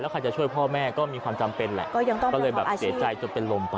ใครจะช่วยพ่อแม่ก็มีความจำเป็นแหละก็เลยแบบเสียใจจนเป็นลมไป